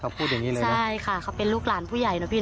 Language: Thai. เค้าพูดอย่างนี้เลยน่ะใช่ค่ะเค้าเป็นลูกหลานผู้ใหญ่